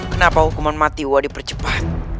kenapa hukuman mati wadih percepat